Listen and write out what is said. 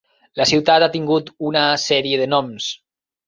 La ciutat ha tingut una sèrie de noms.